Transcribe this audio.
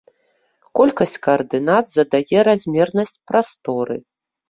Колькасць каардынат задае размернасць прасторы.